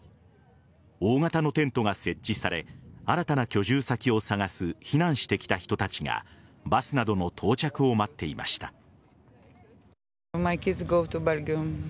大型のテントが設置され新たな居住先を探す避難してきた人たちがバスなどの到着を待っていました。